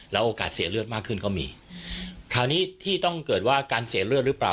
โอกาสเสียเลือดมากขึ้นก็มีคราวนี้ที่ต้องเกิดว่าการเสียเลือดหรือเปล่า